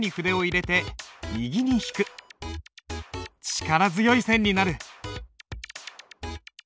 力強い線になる。